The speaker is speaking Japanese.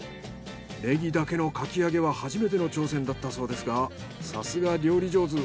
ネギだけのかき揚げは初めての挑戦だったそうですがさすが料理上手。